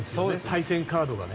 対戦カードがね。